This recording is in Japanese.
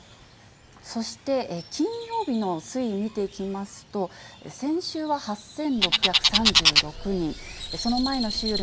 そして、金曜日の推移見ていきますと、先週は８６３６人、その前の週よ